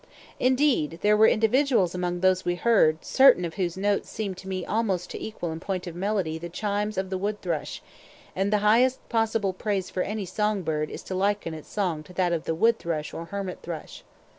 Indeed, there were individuals among those we heard certain of whose notes seemed to me almost to equal in point of melody the chimes of the wood thrush; and the highest possible praise for any song bird is to liken its song to that of the wood thrush or hermit thrush.